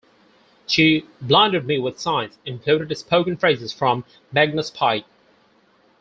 "She Blinded Me with Science" included spoken phrases from Magnus Pyke.